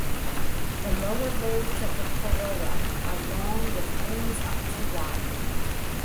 The lower lobes of the corolla are long with wings up to wide.